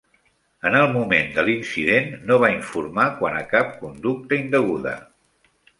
En el moment de l'incident, no va informar quant a cap conducta indeguda.